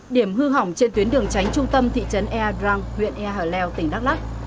điểm hư hỏng trên tuyến đường tránh trung tâm thị trấn ea drang huyện ea hở leo tỉnh đắk lắc